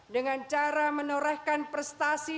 dengan cara menorehkan prestasi